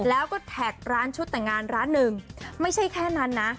แล้วก็แท็กร้านชุดแต่งงานร้านหนึ่งไม่ใช่แค่นั้นนะ